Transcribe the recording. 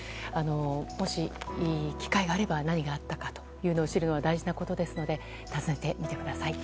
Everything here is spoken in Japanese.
もし機会があれば何があったかというのを知るのは大事なことですので訪ねてみてください。